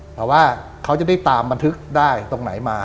แต่ว่าเขาจะได้ตามบันทึกได้ตรงไหนมา